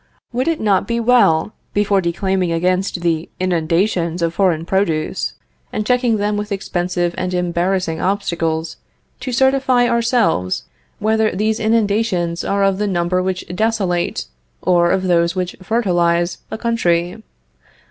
Would it not be well, before declaiming against the inundations of foreign produce, and checking them with expensive and embarrassing obstacles, to certify ourselves whether these inundations are of the number which desolate, or of those which fertilize a country?